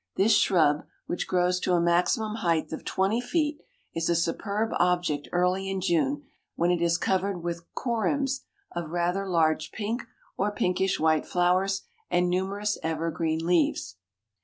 This shrub, which grows to a maximum height of twenty feet, is a superb object early in June, when it is covered with corymbs of rather large pink or pinkish white flowers and numerous evergreen leaves.